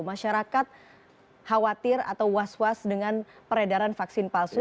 masyarakat khawatir atau was was dengan peredaran vaksin palsu